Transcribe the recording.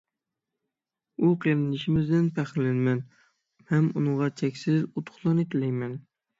ئۇ قېرىندىشىمىزدىن پەخىرلىنىمەن ھەم ئۇنىڭغا چەكسىز ئۇتۇقلارنى تىلەيمەن.